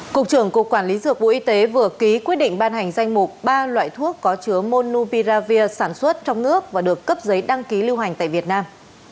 cục trưởng cục quản lý dược bộ y tế vừa ký quyết định ban hành danh mục ba loại thuốc có chứa monu viravir sản xuất trong nước và được cấp giấy đăng ký lưu hành tại việt nam